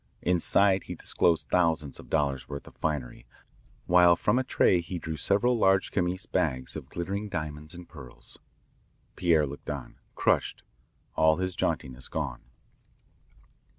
Inside he disclosed thousands of dollars' worth of finery, while from a tray he drew several large chamois bags of glittering diamonds and pearls. Pierre looked on, crushed, all his jauntiness gone.